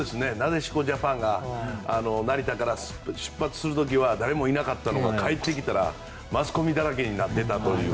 なでしこジャパンが、成田から出発する時は誰もいなかったのに帰ってきたらマスコミだらけになっていたという。